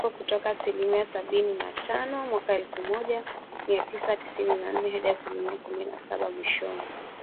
kupunguza pengo kutoka asilimia sabini na tano mwaka wa elfu moja mia tisa tisini na nne hadi asilimia kumi na saba mwishoni mwa kipindi hicho.